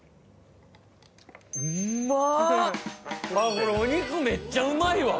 このお肉めっちゃうまいわ！